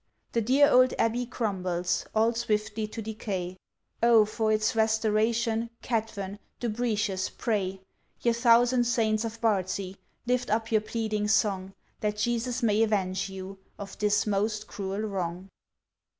The dear old Abbey crumbles All swiftly to decay: Oh! for its restoration! Cadfan! Dubritius! pray! Ye thousand Saints of Bardsey, Lift up your pleading song, That Jesus may avenge you, Of this most cruel wrong!